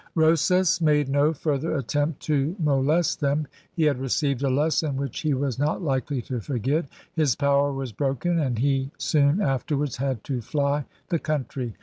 Rosas made no further attempt to molest them; he had received a lesson which he was not likely to forget; his power was broken, and he soon afterwards had to fly the country.